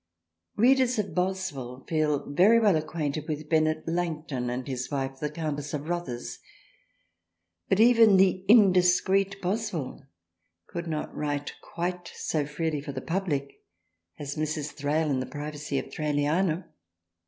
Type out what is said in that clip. THRALIANA 9 Readers of Boswell feel very well acquainted with Bennet Langton and his wife the Countess of Rothes, but even the indiscreet Boswell could not write quite so freely for the public as Mrs. Thrale in the privacy of Thraliana.